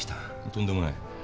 とんでもない。